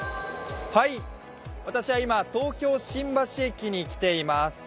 私は今、東京新橋駅に来ています。